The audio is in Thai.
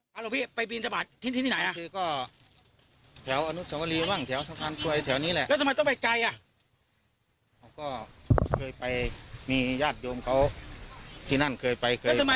เคยไปมีญาติโยมเขาที่นั่นเคยไปแล้วทำไมเราถึงไม่ไปจ้องวัดอื่นอ่ะ